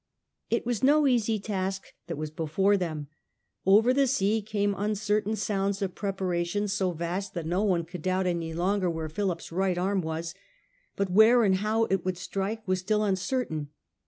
It was no easy task that was before them. Over the sea came uncertain sounds of preparations so vast that no one could doubt any longer where Philip's right arm was. But where and how it would strike was still un certain.